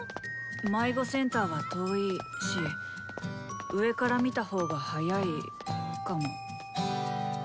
迷子センターは遠いし上から見た方が早いかも。